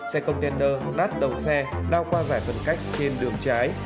xe container nát đầu xe đao qua giải phân cách trên đường trái